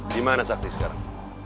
dimana sakti sekarang